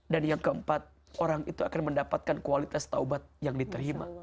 dan yang keempat orang itu akan mendapatkan kualitas taubat yang diterima